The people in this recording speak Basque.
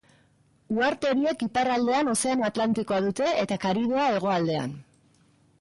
Uharte horiek iparraldean Ozeano Atlantikoa dute eta Karibea hegoaldean.